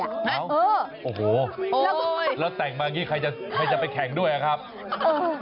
ครับโอ้โฮแล้วแต่งมาอย่างนี้ใครจะไปแข่งด้วยครับเออ